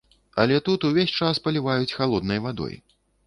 Але тут увесь час паліваюць халоднай вадой.